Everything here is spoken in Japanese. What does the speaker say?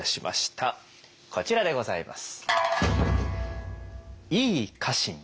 こちらでございます。